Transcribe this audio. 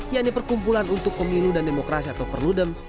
yang diperkumpulan untuk pemilu dan demokrasi atau perludem